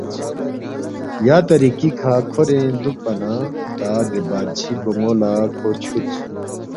یا طریقی کھہ کھورین دُوکپا نہ تا دے بادشی بون٘و لہ کھو چھُودس